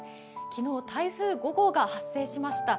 昨日、台風５号が発生しました。